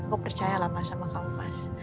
gue percaya lah mas sama kamu mas